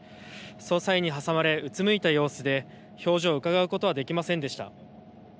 捜査員に挟まれうつむいた表情で表情をうかがうことはできませんでした。